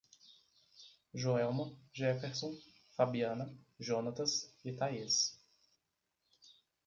Joelma, Jefferson, Fabiana, Jonatas e Taís